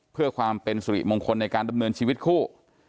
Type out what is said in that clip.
เพื่อความเป็นสุริมงคลในการดำเนินชีวิตคู่